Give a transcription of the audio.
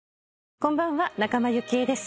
こんばんは仲間由紀恵です。